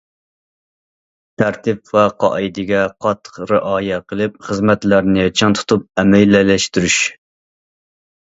تەرتىپ ۋە قائىدىگە قاتتىق رىئايە قىلىپ، خىزمەتلەرنى چىڭ تۇتۇپ ئەمەلىيلەشتۈرۈش.